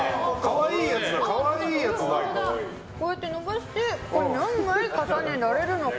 こうやって伸ばして何枚重ねられるのか。